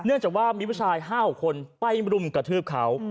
เนื่องจากว่ามีผู้ชายห้าหกคนไปรุ่มกระทืบเขา